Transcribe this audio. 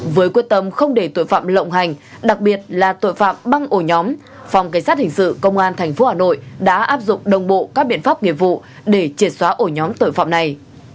với quyết tâm không để tội phạm lộng hành đặc biệt là tội phạm băng ổ nhóm phòng cảnh sát hình sự công an tp hà nội đã áp dụng đồng bộ các biện pháp nghiệp vụ để triệt xóa ổ nhóm tội phạm này